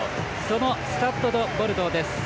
そのスタッド・ド・ボルドーです。